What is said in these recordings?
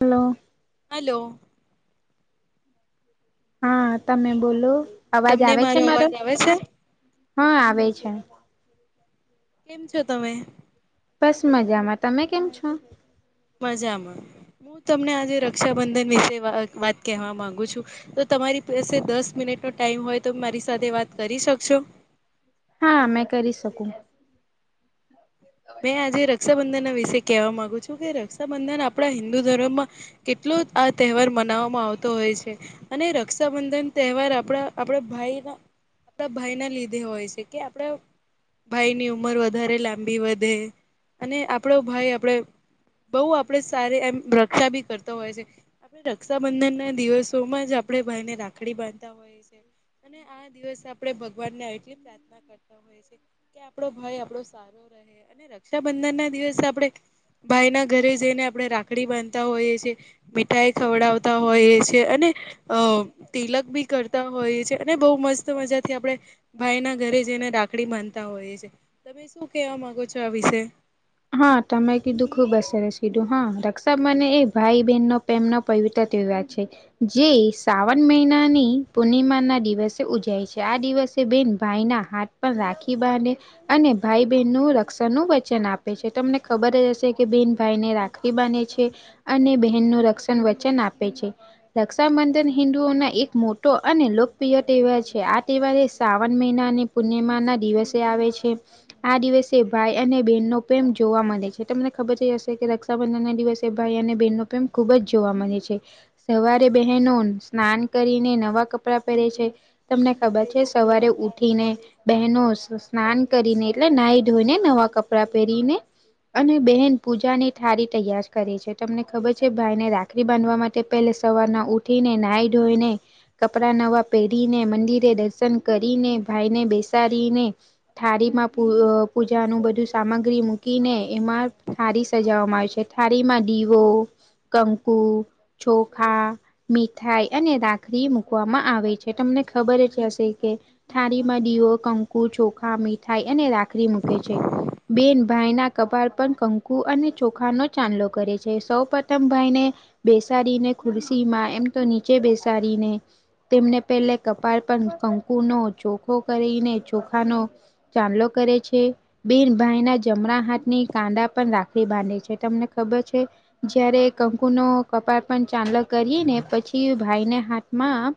Hello. Hello. હા તમે બોલો અવાજ તમને આવે છે મારો અવાજ આવે છે હા આવે છે. કેમ છો તમે. બસ મજામાં તમે કેમ છો. મજામાં હું તમને આજે રક્ષાબંધન વિશે વ વાત કહેવા માંગુ છું. તો તમારી પાસે દસ મિનિટ નો ટાઈમ હોય તો મારી સાથે વાત કરી શકશો. હા મેં કરી શકું. મેં આજે રક્ષાબંધન ના વિશે કહેવા માંગુ છું કે રક્ષાબંધન આપણા હિન્દુ ધર્મમાં કેટલો આ તહેવાર મનાવામાં આવતો હોય છે. અને રક્ષાબંધન તહેવાર આપણા આપડા ભાઈ ના આપડા ભાઈ ના લીધે હોય છે કે આપડા ભાઈની ઉંમર વધારે લાંબી વધ ધે અને આપડો ભાઈ આપડે બહુ આપડે સારી એમ રક્ષા બી કરતા હોય છે. રક્ષાબંધન ના દિવસોમાં જ આપણે ભાઈને રાખડી બાંધતા અને આ દિવસ આપડે ભગવાન ને આટલી પ્રાર્થના કરતા કે આપડો ભાઈ આપણો સારો રહે અને રક્ષાબંધન ના દિવસે આપણે ભાઈ ના ઘરે જઈને આપણે રાખડી બાંધતા હોઈએ છીએ. મીઠાઈ ખવડાવતા હોય છે અને અ તિલક બી કરતા હોયએ છે અને બહુ મસ્ત મજાથી આપણે ભાઈ ના ઘરે જઈને રાખડી બાંધતા હોઈએ છીએ. તમે શું કેવા માંગોછો? વિશે હા, તમે કીધું ખૂબ અ સરસ કીધું હા રક્ષા મને એ ભાઈ-બહેનનો પ્રેમનો પવિત્ર તહેવાર છે. જે શ્રાવણ મહિનાની પૂર્ણિમા ના દિવસે ઉજાય છે આ દિવસે તે બેન ભાઈના હાથ પણ રાખી બાધે અને ભાઈ-બહેન નું રક્ષણ નનું વચન આપે છે તમને ખબર જ હશે કે બેન ભાઈને રાખ ખી બાધે છે અને બહેન નું રક્ષણ વચન આપે છે. રક્ષાબંધન હિન્ંદુઓ ના એક મોટો અને લોકપ્રિય તહેવાર છે આ તહેવારે શ્રાવણ મહિનાની પૂર્ણિમાના દિવસે આવે છે. આ દિવસે ભાઈ અને બેનનો પ્રેમ જોવા મળે છે તમને ખબર જ હશે કે રક્ષા બંધન ના દિવસે ભાઈ અને બહેનનો પ્રેમ ખુબ જ જોવા મળે છે. સવારે બહેનો સ્નાન કરીને નવા કપડાં પહેરે છે તમને ખબર છે. સવારે ઊઠીને બહેનો સ્નાન કરીને એટલે નાઈ ધોઈને નવા કપડાં પહેરીને અને બહેન પૂજા ની થાળી તૈયાર કરે છે તમને ખબર છે ભાઈને રાખ ડી બાંધવા માટે પહેલે સવારના ઉઠીને નાઈ ધોઈને કપડા નવા પેરી ને મંદિરે દર્શન કરીને ભાઈને બેસાડીને થાળી માં પૂ અ પૂજાનું બધું સામગ્રી મૂકીને એમાં થાળી સજવામાં આવે છે થાળી માં દીવો, કંકુ ચોખા, મીઠાઈ અને રાખરી મૂકવામાં આવે છે તમને ખબર જ હશે થાળીમાં દીવો, કંકુ, ચોખા, મીઠાઈ અને રાખડી મૂકે છે બેન ભાઈના કપાળ પર કંકુ અને ચોખાનો ચાંદલો કરે છે સૌ પ્રથમ ભાઈને બેસાડીને ખુરશી માં એમ તો નીચે બેસાડીને તેમને પહેલે કપાળ પણ કંકુનો ચોખો કરીને ચોખાનો ચાંદલો કરે છે. બેન ભાઈના જમણા હાથની કાંદા પણ રાખડી બાંધે છે તમને ખબર છે જયારે કંકુ નો કપાળ પણ ચાંદલો કરીએ ને પછી ભાઈને હાથમાં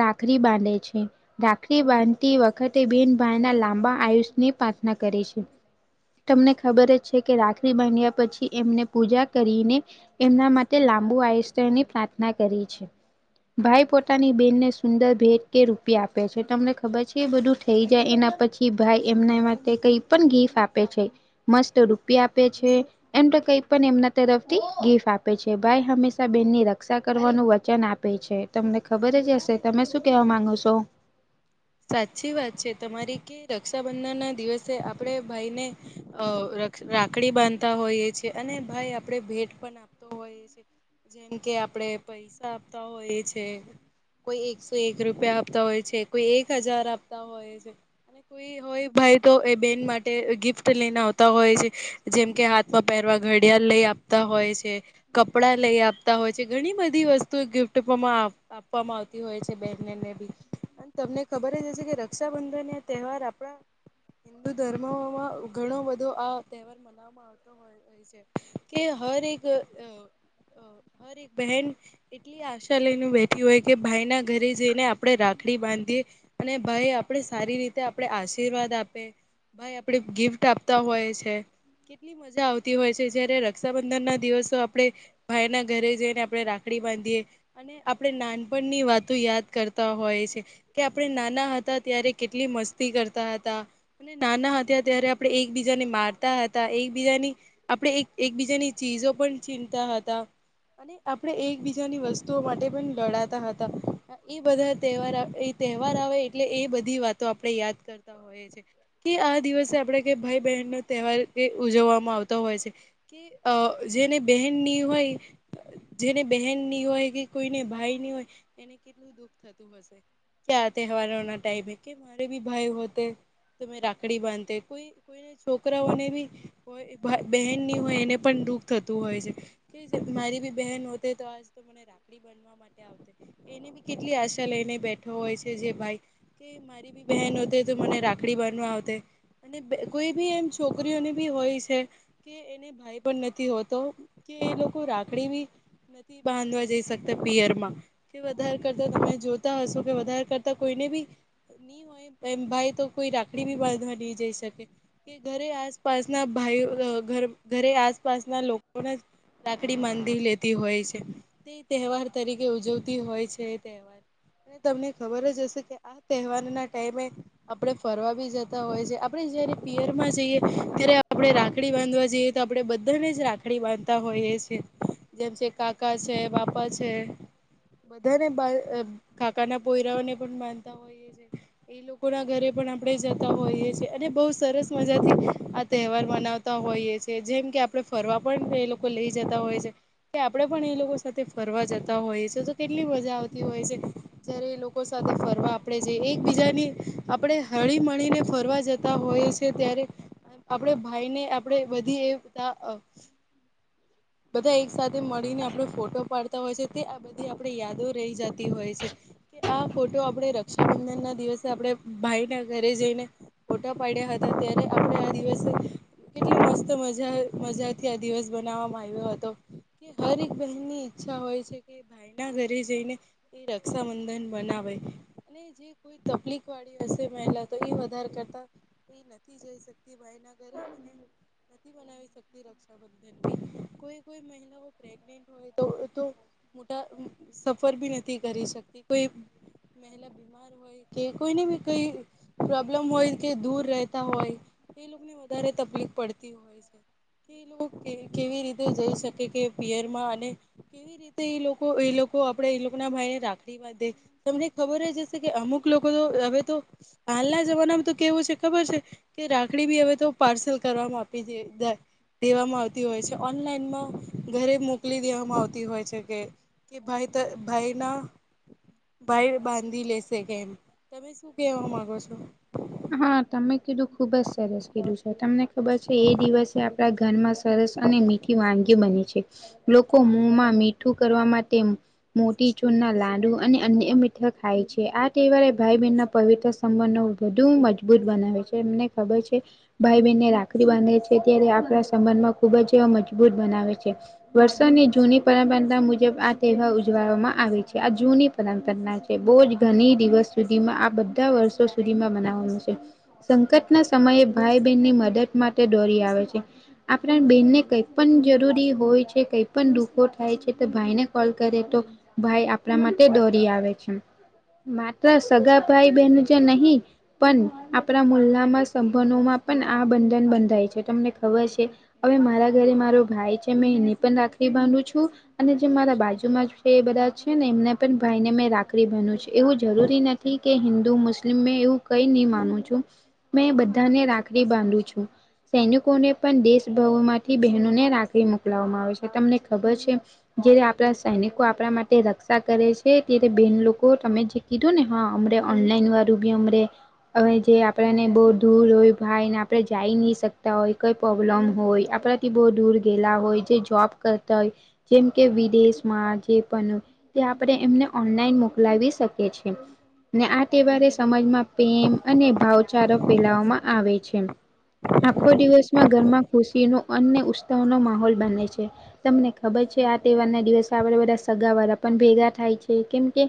રાખડી બાંધે છે. રાખડી બાંધતી વખતે બેન ભાઈ ના લાંબા આયુષની પ્રાર્થના કરે છે. તમને ખબર જ છે કે રાખડી બાંધ્યા પછી એમને પૂજા કરીને એમના માટે લાંબુઆયુષ્ય ની પ્રાર્થના કરીએ છીએ. ભાઈ પોતાની બેનને સુંદર ભેટ કે રુ પિયા આપે છે તમને ખબર છે એ બધું થઈ જાય એના પછી ભાઈ એમના માટે કઈ પણ ગીફ આપે છે. મસ્ત રૂપિયા આપે છે. એમ તો કઈ પણ એમના તરફથી ગીફ આપે છે ભાઈ હંમેશા બેનની રક્ષા કરવાનું વચન આ પે છે તમને ખબર જ હશે. તમે શું કેવા માંગો છો? સાચી વાત છે તમારી કે રક્ષાબંધન ના દિવસે આપણે ભાઈને અ રાખડી બાંધતા હોઈએ છે અને ભાઈ આપણે ભેટ પણ આપતો હોઈ છે. જેમ કે આપણે પૈસા આપતા હોઈએ છે. કોઈ એકસો એક રૂપિયા આપતા હોય છે, કોઈ એક હજાર આપતા હોય છે અને કોઈ કોઈ ભાઈ તો એ બેન માટે ગિફ્ટ લઈને આવતા હોય છે. જેમ કે હા થ માં પહેરવા ઘડિયાળ લઈ આપતા હોય છે. કપડા લઈ આપતા હોય છે. ઘણી બધી વસ્તુ ગિફ્ટમાં આપવામાં આવતી હોય છે બેનને મે બી અને તમને ખબર જ હશે. કે રક્ષાબંધન એ તહેવાર આપણા હિન્દુ ધર્મોમાં ઘણો બધો આ તહેવાર મનાવવામાં આવતો હોય છે. કે હર એક હર એક બહેન કેટલી આશા લઈને બેઠી હોય કે ભાઈના ઘરે જઈને આપણે રાખડી બાંધીએ. અને ભાઈ આપણે સારી રીતે આપણે આશીર્વાદ આપે. ભાઈ આપણે ગિફ્ટ આ પતા હોય છે. કેટલી મજા આવતી હોય છે, જયારે રક્ષાબંધનના દિવસો આપણે ભાઈના ઘરે જઈને આપણે રાખડી બાંધીએ. અને આપણે નાનપણની વાતો યાદ કરતા હોય છે કે આપણે નાના હતા, ત્યારે કેટલી મસ્તી કરતા હતા અને નાના હતા ત્યારે આપણે એકબીજાને મારતા હતા. એકબીજાની આપણે એક એકબીજાની ચીજો પણ છીંનતા હતા. અને આપણે એકબીજાની વસ્તુઓ માટે પણ લડાતા હતા. એ બધા તહેવાર તહેવાર આવે. એટલે એ બધી વાતો આપણે યાદ કરતા હોય છે. કે આ દિવસે આપણે ભાઈ બહેનનો તહેવાર એ ઉજવવામાં આવતા હોય છે, કે જેને બહેનની હોય. જેને બહેનની હોય કે કોઈને ભાઈની હોય એને કેટલું દુઃખ થતું હશે. આ તહેવારો ના ટાઈમે કે મારે ભી ભાઈ હોતે તો મે રાખડી બાંધે કોઈ કોઈ છોકરાઓને બી, કોઈ બહેન ની હોય એને પણ દુઃખ થતું હોય છે. કે મારી બી બહેન હોત તો, આજ તો મને રાખડી બાંધવા [unintelligible] એની બી કેટલી આશા લઈને બેઠો હોય છે. જે ભાઈ કે કે મારી બી બહેન હોતે તો મને રાખડી બાંધવા આવતે. અને કોઈ બી એમ છોકરીઓને બી હોય છે. કે એને ભાઈ પણ નથી હોતો કે એ લોકો રાખડી બી નથી બાંધવા જઈ શકતા પિયરમાં કે વધારે કરતા તમે જોતા હશો? વધારે કરતા કોઈને બી ની હોય તો એમ ભાઈ તો કોઈ રાખડી બી બાંધવા ની જઈ શકે. કે ઘરે આસપાસના ભાઈ ઘરે આસપાસના લોકોના રાખડી માંધી લેતી હોય છે. તે તહેવાર તરીકે ઉજવતી હોય છે. એ તહેવાર અને તમને ખબર જ હશે કે આ તહેવારના ટાઈમે આપણે ફરવા બી જતા હોય છે. આપણે જયારે પિયરમાં જઈએ, ત્યારે આપણે રાખડી બાંધવા જઈએ. તો આપણે બધાને જ રાખડી બાંધતા હોયએ છે. જેમ છે કાકા છે, બાપા છે, બધાને કાકાના પોયરાઓને પણ બાંધતા હોઈએ છે. એ લોકોના ઘરે પણ આપણે જતા હોઈએ છેએ અને બહુ સરસ મજાથી આ તહેવાર મનાવ તા હોઈએ છે. જેમ કે આપણે ફરવા પણ એ લોકો લઈ જતા હોય છે. કે આપણે પણ એ લોકો સાથે ફરવા જતા હોઈએ છે, તો કેટલી મજા આવતી હોય. છે. જયારે એ લોકો સાથે ફરવા આપણે જઈએ. એકબીજાની આપણેે હળી મળીને ફરવા જતા તા હોય છે, ત્યારેને આપણે ભાઈ ને આપણે બધી એ બધા એક સાથે મળીને આપણે ફોટો પાડતા હોય છે, તે આ બધી આપડી યાદો રહી જાતી. હોય છે, કે આ ફોટો આપણે રક્ષાબંધનના દિવસે આપણે ભાઈના ઘરે જઈને ફોટા પાડ્યા હતા, ત્યારે આપણે આ દિવસે કેટલી મસ્ત મજા મજાથી આ દિવસ બનાવવામાં આવ્યો હતો. કે હર એક બહેન ની ઈચ્છા હોય છે કે ભાઈ ના ઘરે જઈને એ રક્ષાબંધન બનાવે અને જે કોઈ તકલીફ વાળી હશે મહિલા તો એ વધારે કરતા એ નથી જઈ શકતી એ ભાઈ ના ઘરે નથી બનાવી શકતી રક્ષાબંધન કોઈ કોઈ મહિલાઓ પ્રેગનેટ હોય તો તો મોટા સફર બી નથી કરી શકતી કોઈ મહિલા બીમાર હોય કે કોઈને બી કઈ પ્રોબ્લમ હોય કે દૂર રહેતા હોય ઈ લોકો ને વધારે તકલીફ પડતી હોય છે કે ઈ લોકો કેવી રીતે જઈ શકે કે પિયરમાં અને કેવી રીતે એ લોકો એ લોકો આપડે એ લોકો ના ભાઈ ને રાખડી બાંધે તમને ખબર જ હશે કે અમુક લોકો તો હવે તો હાલના જમાનામાં તો કેવું છે ખબર છે કે રાખડી બી હવે તો પાર્સલ કરવામાં આપી દેય દેવામાં આવતી હોય છે ઓનલાઈનમાં ઘરે મોકલી દેવામાં આવતી હોય છે કે ભાઈ તો ભાઈ ના ભાઈ બાંધી લેશે કે એમ. તમે શું કેવા માંગો છો? હા, તમે કીધું ખુબજ સરસ કીધું છે તમને ખબર છે એ દિવસે આપડા ઘરમાં સરસ અને મીઠી વાનગી બને છે લોકો મુંમા મીઠું કરવા માટે એમ મોટી ચૂરના લાંડુ અને અન્ય મીઠ ખાય છે આ તહેવારે ભાઈ બહેનના પવિત્ર સંબંધો વધુ મજબૂત બનાવે છે એમને ખબર છે. ભાઈ બેનને રાખડી બાંધે છે ત્યારે આપણા સંબંધમાં ખૂબ જ અ મજબૂત બનાવે છે. વર્ષોની જૂની પરં [unintelligible] મુજબ આ તહેવાર ઉજવાવામાં આવે છે આ જૂની [unintelligible] કરનાર છે બો જ ઘણી દિવસ સુધીમાં આ બધા વર્ષો સુધીમાં મનાવવાનું છે. સંકટના સમયે ભાઈ બહેનની મદદ માટે દોરી આવે છે. આપણે બેનને કંઈક પણ જરૂરી હોય છ. કે કંઈ પણ દુઃખો થાય છે તો ભાઈને કોલ કરે તો, ભાઈ આપણા માટે દોરી આવે છે. માત્ સગા ભાઈ-બહેન વચ્ચે નહી, પણ આપણા મુલ્લામાં સંબધોમાં પણ આ બંધન બંધાય છે. તમને ખબર છે? અવે મારા ઘરે મારો ભાઈ છે મેં એની પણ રાખડી બાંધુ છું. અને જે મારા બાજુમાં છે એ બધા છે ને એમને પણ ભાઈને મેં રાખડી બાધું છું. એવું જરૂરી નથી, [unintelligible] કે હિન્દુ, મુસ્લિમ મે એવું કઈ ની માનું છું. મેં બધાને રાખડી બાંધું છું. સૈનિકોને પણ દેશભવોમાંથી બહેનોને રાખડી મોકલાવામાં આવે છે. તમને ખબર છે? જયારે આપણા સૈનિકો આપણા માટે રક્ષા કરે છે. તીરે બેન લોકો તમે જે કીધુંને હા અમડે ઓનલાઈનવાળું બી અમડે, અવે જે આપડાને બહુ દૂર હોય ભાઈને આપણે જાઈ ની શકતા હોય કઈ પોબ્લમ હોય. આપડા કે બો દૂર ગેલા હોય, જે જોબ કરતા, હોય જેમ કે, વિદેશમાં જે પણ તે આપડે એમને ઓનલાઈન મોકલાવી શકીએ છે. ને આ તહેવારે સમાજમાં પેમ અને ભાવચારો ફેલાવામાં આવે છે. આખો દિવસમાં ઘરમાં ખુશીનો અન્ય ઉત્સવોનો માહોલ બને છે. તમને ખબર છે? આ તહેવારના દિવસે આપડે બધા સગાવાળા પણ ભેગા થાય છે. કેમ કે,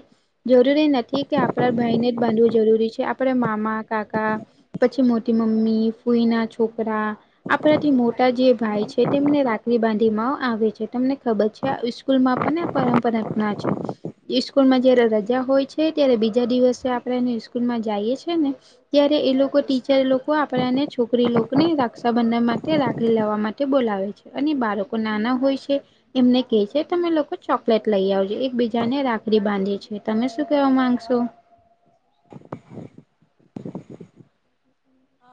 જરૂરી નથી કે આપણા ભાઈને જ બાંધવું જરૂરી છે. આપણે મામા, કાકા પછી મોટી મમ્મી, ફૂઈના છોકરા, આપડાથી મોટા જે ભાઈ છે. તેમને રાખડી બાંધીમાં, આવે છે. તમને ખબર છે? આવી સ્કૂલમાં પણ [unintelligible] પરંપરાના અપનાવે છે. ઈ સ્કૂલમાં જયારે રજા હોય છે ત્યારે બીજા દિવસે આપણે એને સ્કૂલમાં જઈએ છે ને, ત્યારે એ લોકો ટીચર લોકો આપડાને છોકરી લોકોને રક્ષાબંધન માટે રાખડી લેવા માટે બોલાવે છે. અને બાળકો નાના હોય સે. એમને કે છે તમે લોકો ચોકલેટ લઈ આવજો. એકબીજાને રાખડી બાંધે છે. તમે શું કેવા માંગશો? હ.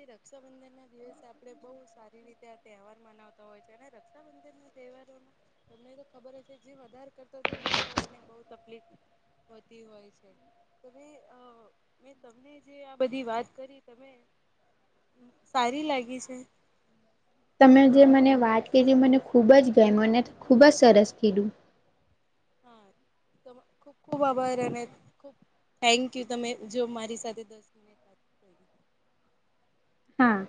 એ રક્ષાબંધનના દિવસે આપડે બહુ સારી રીતે આ તહેવાર મનાવતા હોય છે ને રક્ષાબંધન. તહેવારો તમને તો ખબર [unintelligible] છે જે વધારે કરતો દૂર રહેતો હોય એને બઉ તકલીફ. થતી હોય બધી અ જે તમને જે આ બધી વાત કરી. તમે [unintelligible] સારી લાગી છે? તમે જે મને વાત કીધી મને ખૂબ જ ગયમું અને ખૂબ જ સરસ કીધું. હ [unintelligible] ખુબ ખુબ આભાર અને ખુબ થેન્ક યુ તમે જો મારી સાથે દસ. [unintelligible] હા.